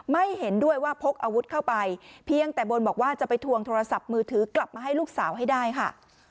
ไม่เห็นด้วยว่าพกอาวุธเข้าไปเพียงแต่บนบอกว่าจะไปทวงโทรศัพท์มือถือกลับมาให้ลูกสาวให้ได้ค่ะ